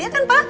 iya kan pak